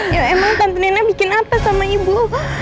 ya emang tante nenek bikin apa sama ibu